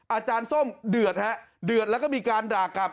ส้มเดือดฮะเดือดแล้วก็มีการด่ากลับ